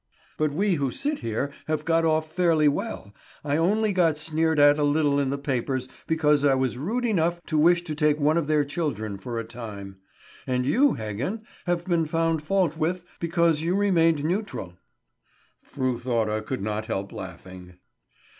"But we who sit here have got off fairly well. I only got sneered at a little in the papers because I was rude enough to wish to take one of their children for a time; and you, Heggen, have been found fault with because you remained neutral." Fru Thora could not help laughing.